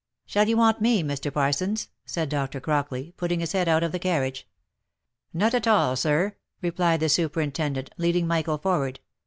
"Shall you want me, Mr. Parsons?" said Dr. Crockley, putting his head out of the carriage. " Not at all, sir," replied the superintendent, leading Michael forward.